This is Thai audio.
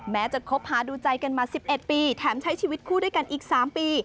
แม้จะคบหาดูใจกันมา๑๑ปีแถมใช้ชีวิตคู่ด้วยกันอีก๓ปี